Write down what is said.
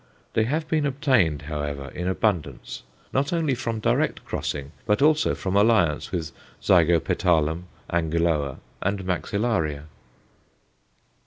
They have been obtained, however, in abundance, not only from direct crossing, but also from alliance with Zygopetalum, Anguloa, and Maxillaria.